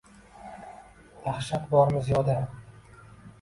Dahshat bormi ziyoda?